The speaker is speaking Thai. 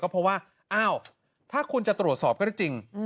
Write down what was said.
เพราะว่าอ้าวถ้าคุณจะตรวจสอบก็ได้จริง